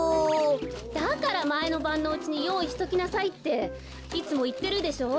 だからまえのばんのうちによういしときなさいっていつもいってるでしょう？